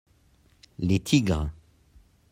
Les tigres.